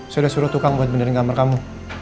saya udah suruh tukang buat benderin kamar kamu